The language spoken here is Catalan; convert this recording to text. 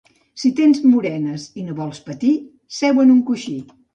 Si tens morenes i no vols patir, seu en coixí.